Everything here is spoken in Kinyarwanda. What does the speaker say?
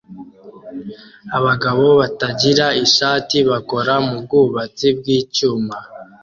Abagabo batagira ishati bakora mubwubatsi bwicyuma